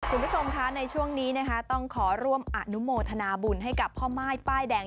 คุณผู้ชมคะในช่วงนี้นะคะต้องขอร่วมอนุโมทนาบุญให้กับพ่อม่ายป้ายแดง